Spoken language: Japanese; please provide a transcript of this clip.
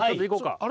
あれ？